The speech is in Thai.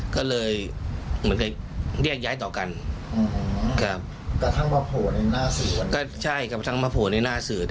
ก็เลยเรียกย้ายต่อกันและกะทั้งมาโผล่ในหน้าสื่อ